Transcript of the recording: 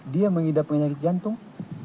dia mengidap penyakit jantung